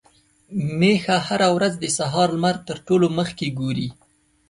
ميښه هره ورځ د سهار لمر تر ټولو مخکې ګوري.